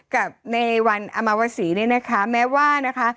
กับในวันอมวสีเนี่ยนะคะแม้ว่านะคะ